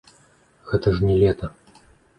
Гэта ж не лета!